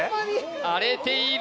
荒れている！